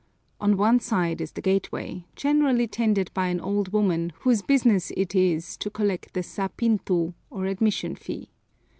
On one side is the gateway, generally tended by an old woman whose business it is to collect the sa pintu, or admission fee.